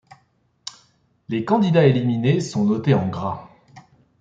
Les candidats éliminés sont notés en gras.